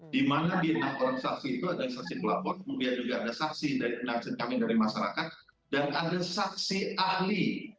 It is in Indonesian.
di mana di enam orang saksi itu ada saksi pelapor kemudian juga ada saksi dari penafsir kami dari masyarakat dan ada saksi ahli